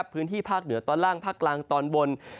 พื้นที่ภาคเหนือตอนล่างภาคกลางตอนบน